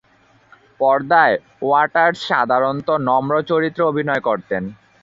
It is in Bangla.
পর্দায় ওয়াটার্স সাধারণত নম্র চরিত্রে অভিনয় করতেন।